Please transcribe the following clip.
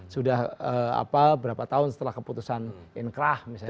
sudah berapa tahun setelah keputusan inkrah misalnya